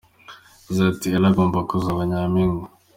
Yagize ati “Ella agomba kuzaba nyampinga.